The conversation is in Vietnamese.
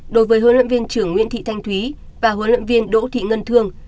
đối với huấn luyện viên trưởng nguyễn thị thanh thúy và huấn luyện viên đỗ thị ngân thương